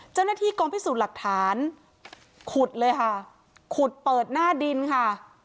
เจ้าหน้าที่กองพิสูจน์หลักฐานขุดเลยค่ะขุดเปิดหน้าดินค่ะ